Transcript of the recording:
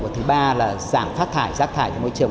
và thứ ba là giảm phát thải giác thải của môi trường